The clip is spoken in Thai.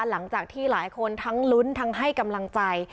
หลังจากที่หลายคนทั้งลุ้นทั้งให้กำลังใจ